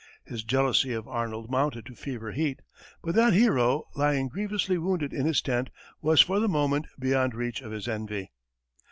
His jealousy of Arnold mounted to fever heat, but that hero, lying grievously wounded in his tent, was for the moment beyond reach of his envy.